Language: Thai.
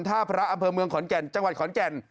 ท่าพระอำเภอเมืองขอนแก่นจังหวัดขอนแก่น